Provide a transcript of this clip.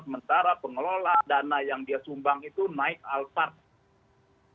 sementara pengelola dana yang dia sumbang itu naik al part